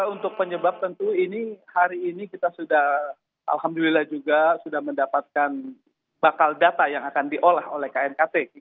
untuk penyebab tentu ini hari ini kita sudah alhamdulillah juga sudah mendapatkan bakal data yang akan diolah oleh knkt